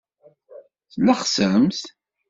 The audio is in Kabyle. Tlexsemt.